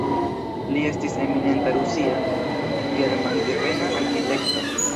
Li estis eminenta rusia, germandevena arkitekto.